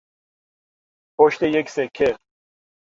پشت یک سکه